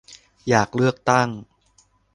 อยากเลือกตั้ง